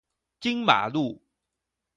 金馬路